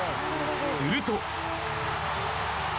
すると。